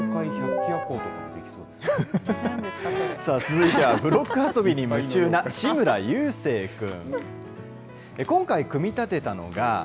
続いてはブロック遊びに夢中な志村優星くん。